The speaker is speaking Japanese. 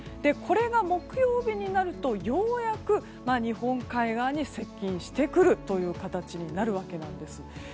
これが木曜日になるとようやく、日本海側に接近してくるという形になるわけなんです。